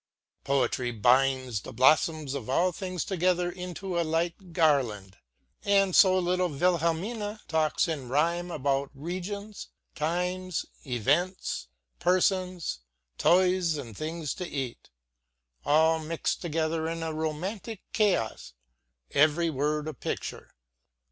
Poetry binds the blossoms of all things together into a light garland, and so little Wilhelmina talks in rhyme about regions, times, events, persons, toys and things to eat all mixed together in a romantic chaos, every word a picture.